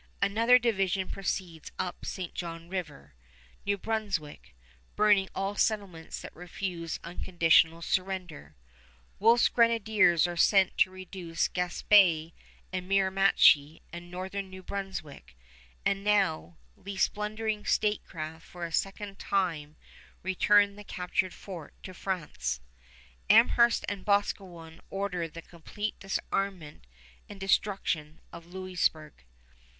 Another division proceeds up St. John River, New Brunswick, burning all settlements that refuse unconditional surrender. Wolfe's grenadiers are sent to reduce Gaspé and Miramichi and northern New Brunswick. And now, lest blundering statecraft for a second time return the captured fort to France, Amherst and Boscawen order the complete disarmament and destruction of Louisburg.